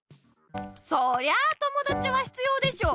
そりゃあともだちは必要でしょ！